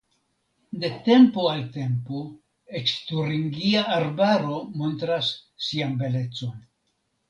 De tempo al tempo eĉ Turingia Arbaro montras sian belecon.